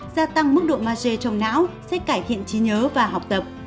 gia tăng mức độ mage trong não sẽ cải thiện trí nhớ và học tập